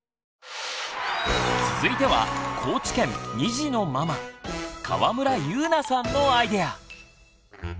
続いては高知県２児のママ川村祐奈さんのアイデア！